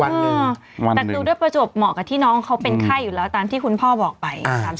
แต่คือด้วยประจวบเหมาะกับที่น้องเขาเป็นไข้อยู่แล้วตามที่คุณพ่อบอกไป